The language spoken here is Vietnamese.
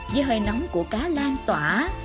với hơi nóng của cá lan tỏa